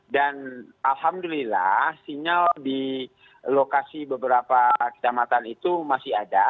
dan alhamdulillah sinyal di lokasi beberapa kecamatan itu masih ada